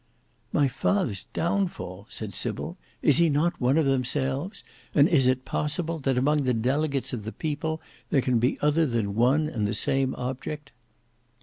"My father's downfall!" said Sybil. "Is he not one of themselves! And is it possible, that among the delegates of the People there can be other than one and the same object?"